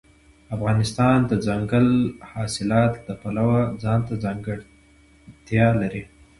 افغانستان د دځنګل حاصلات د پلوه ځانته ځانګړتیا لري.